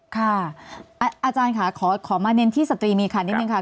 ค่ะอาจารย์ค่ะขอมาเน้นที่สตรีมีคันนิดนึงค่ะ